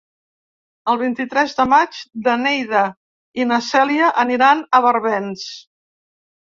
El vint-i-tres de maig na Neida i na Cèlia aniran a Barbens.